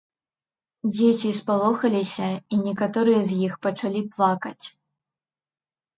Дзеці спалохаліся, і некаторыя з іх пачалі плакаць.